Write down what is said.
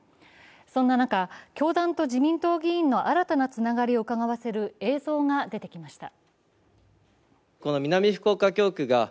そんな中、教団と自民党議員の新たなつながりをうかがわせる映像が出てきました。